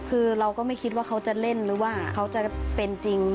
คือเราก็ไม่คิดว่าเขาจะเล่นหรือว่าเขาจะเป็นจริง